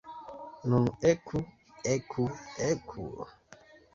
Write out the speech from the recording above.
Nun eku, eku, eku!